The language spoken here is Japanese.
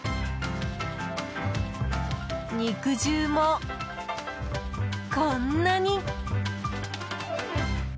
肉汁もこんなに！